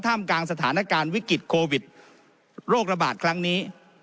กลางสถานการณ์วิกฤตโควิดโรคระบาดครั้งนี้